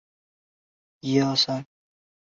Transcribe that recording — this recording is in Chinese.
卡斯特罗比勒陀里奥是罗马的第十八区。